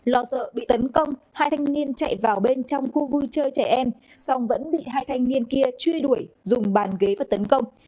lo sợ bị tấn công hai thanh niên chạy vào bên trong khu vui chơi trẻ em song vẫn bị hai thanh niên kia truy đuổi dùng bàn ghế và tấn công